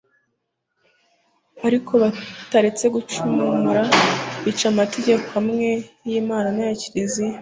ariko bataretse gucumura bica amategeko amwe y'imana n'aya kiliziya